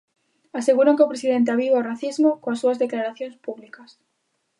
Aseguran que o presidente aviva o racismo coas súas declaracións públicas.